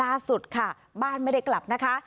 ล่าสุดค่ะบ้านไม่ได้กลับนะคะ